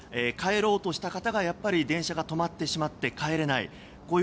帰ろうとした方がやっぱり電車が止まってしまって帰れない。